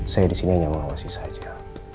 saya di sini hanya mengawasi saja